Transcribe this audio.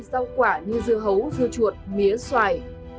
rau quả như dưa hấu dưa chuột mía xoài